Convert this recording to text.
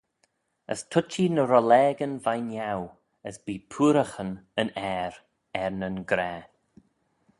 As tuittee ny rollageyn veih niau, as bee pooaraghyn yn aer er nyn graa.